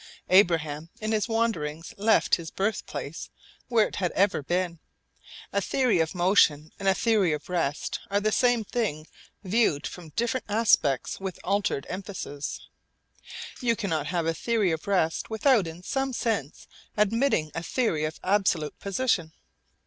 Abraham in his wanderings left his birthplace where it had ever been. A theory of motion and a theory of rest are the same thing viewed from different aspects with altered emphasis. Now you cannot have a theory of rest without in some sense admitting a theory of absolute position.